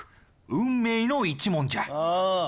運命の１問じゃ。